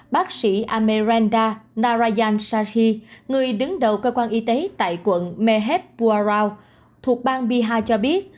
bác sĩ amerenda narayan shahi người đứng đầu cơ quan y tế tại quận mehebwarao thuộc bang bihar cho biết